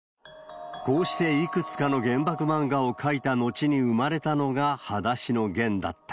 こうして、いくつかの原爆漫画を描いた後に生まれたのが、はだしのゲンだった。